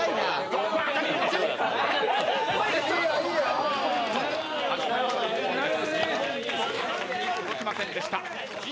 届きませんでした。